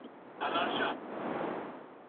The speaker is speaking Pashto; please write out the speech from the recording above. نظام د دولت په کنټرول کي نه دی.